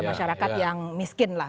masyarakat yang miskin lah